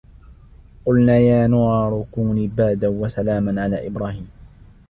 قلنا يا نار كوني بردا وسلاما على إبراهيم